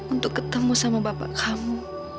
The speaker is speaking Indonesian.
untuk ketemu sama bapak kamu